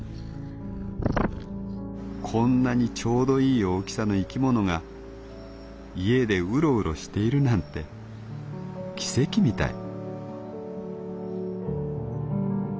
「こんなにちょうどいい大きさの生き物が家でうろうろしているなんて奇跡みたい」。